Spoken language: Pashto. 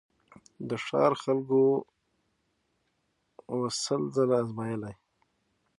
د ښار خلکو وو سل ځله آزمېیلی